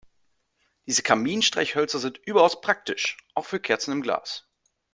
Diese Kaminstreichhölzer sind überaus praktisch, auch für Kerzen im Glas.